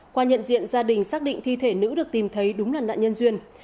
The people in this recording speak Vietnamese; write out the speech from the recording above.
qua nhận diện gia đình xác định thi thể nữ được tìm thấy đúng là nạn nhân duyên